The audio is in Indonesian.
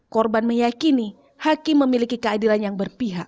korban meyakini hakim memiliki keadilan yang berpihak